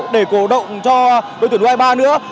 để cổ động cho đội tuyển u hai mươi ba nữa